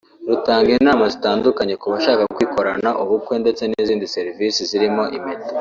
rutanga inama zitandukanye ku bashaka kwikorana ubukwe ndetse n’izindi serivisi zirimo impeta